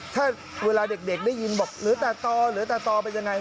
ถ้าเวลาเด็กได้ยินบอกเหลือแต่ต่อเหลือแต่ต่อเป็นยังไง